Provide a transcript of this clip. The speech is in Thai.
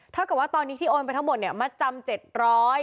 เท่ากับว่าตอนนี้ที่โอนไปทั้งหมดเนี้ยมาจำเจ็ดร้อย